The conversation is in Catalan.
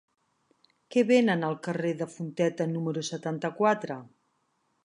Què venen al carrer de Fonteta número setanta-quatre?